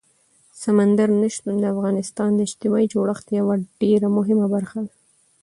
سمندر نه شتون د افغانستان د اجتماعي جوړښت یوه ډېره مهمه برخه ده.